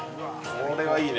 これはいいね。